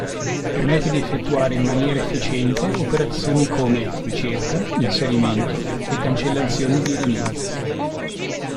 Permette di effettuare in maniera efficiente operazioni come: ricerca, inserimento e cancellazione di elementi.